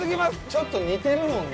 ちょっと似てるもんね。